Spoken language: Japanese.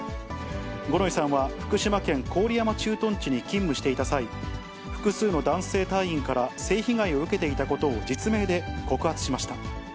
五ノ井さんは、福島県郡山駐屯地に勤務していた際、複数の男性隊員から性被害を受けていたことを、実名で告発しました。